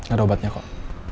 ada obatnya kok